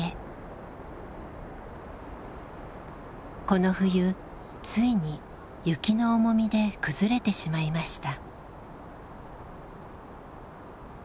この冬ついに雪の重みで崩れてしまいました。